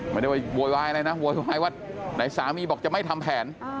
ไม่ใช่แบบว่ายนั่ยนะว่ายไหนสามีบอกจะไม่ทำแผน